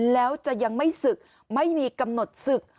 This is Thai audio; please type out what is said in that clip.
แล้วจะยังไม่ศึกไม่มีกำหนดศึก